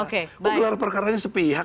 kok gelar perkara yang sepihak